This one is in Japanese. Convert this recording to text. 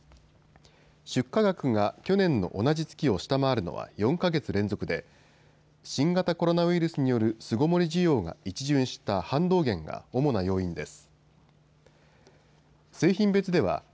出荷額が去年の同じ月を下回るのは４か月連続で新型コロナウイルスによる巣ごもり需要が一巡した反動減が主な要因です。